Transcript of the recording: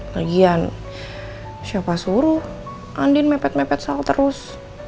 lagian siapa suruh andin mepet mepet sal terus